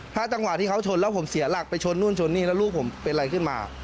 ถ้าจังหวะที่เขาชนแล้วผมเสียหลักไปชนนู่นชนนี่แล้วลูกผมเป็นอะไรขึ้นมา